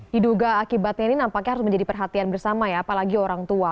diduga akibatnya ini nampaknya harus menjadi perhatian bersama ya apalagi orang tua